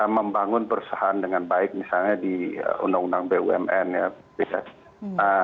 membangun perusahaan dengan baik misalnya di undang undang bumn ya